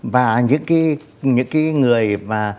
và những cái người mà